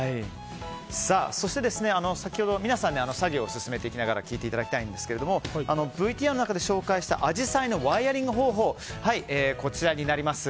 そして、皆さん作業を進めていきながら聞いていただきたいんですがＶＴＲの中で紹介したアジサイのワイヤリング方法こちらになります。